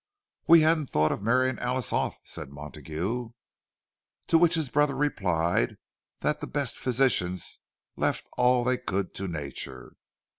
"We hadn't thought of marrying Alice off," said Montague. To which his brother replied that the best physicians left all they could to nature.